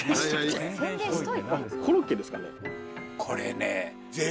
これね。